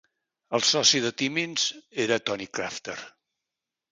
El soci de Timmins era Tony Crafter.